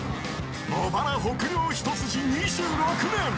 ［茂原北陵一筋２６年］